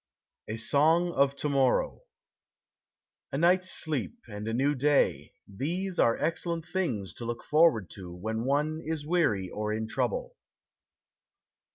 A SONG OF TO MORROW A night's sleep and a new day these are excellent things to look forward to when one is weary or in trouble.